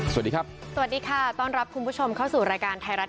สวัสดีครับสวัสดีค่ะต้อนรับคุณผู้ชมเข้าสู่รายการไทยรัฐ